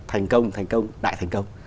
thành công thành công đại thành công